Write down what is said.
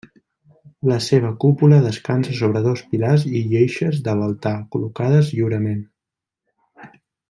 La seva cúpula descansa sobre dos pilars i lleixes de l'altar, col·locades lliurement.